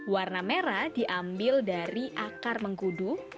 warna merah diambil dari akar mengkudu